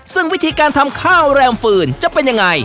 ซึ่งวิธีการทำข้าวแรมฟืนจะเป็นยังไง